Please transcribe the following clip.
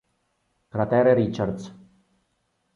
Cratere Richards